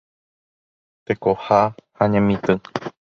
Tekoha ha Ñemitỹ.